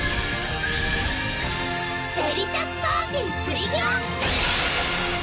デリシャスパーティプリキュア！